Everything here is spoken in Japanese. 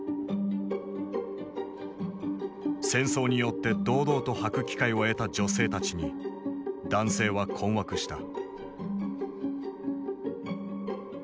戦争によって堂々とはく機会を得た女性たちに男性は困惑した。